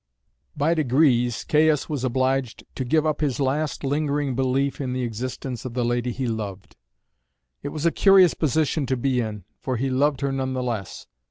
By degrees Caius was obliged to give up his last lingering belief in the existence of the lady he loved. It was a curious position to be in, for he loved her none the less.